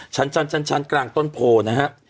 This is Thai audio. ชั้นกลางต้นโพนะฮะ